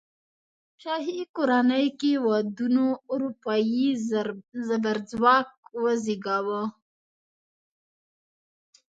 شاهي کورنۍ کې ودونو اروپايي زبرځواک وزېږاوه.